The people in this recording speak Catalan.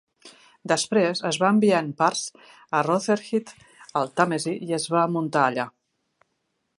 Després es va enviar en parts a Rotherhithe al Tàmesi i es va muntar allà.